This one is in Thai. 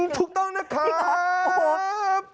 ถูกต้องนะครับ